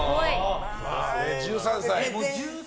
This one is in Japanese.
１３歳。